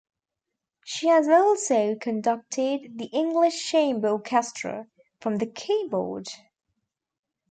She has also conducted the English Chamber Orchestra, from the keyboard.